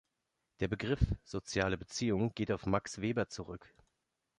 Der Begriff „soziale Beziehung“ geht auf Max Weber zurück.